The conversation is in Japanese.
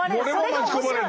巻き込まれる。